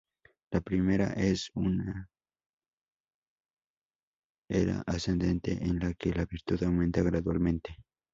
La primera es una era ascendente en la que la virtud aumenta gradualmente.